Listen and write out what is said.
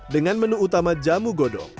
dengan menu utama jamu godok